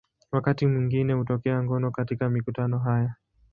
Wakati mwingine hutokea ngono katika mikutano haya.